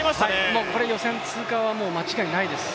もう予選通過は間違いないです。